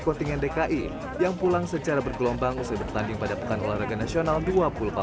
kontingen dki yang pulang secara bergelombang usai bertanding pada pekan olahraga nasional dua puluh empat